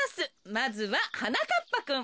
まずははなかっぱくん。